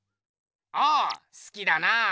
ああすきだなぁ。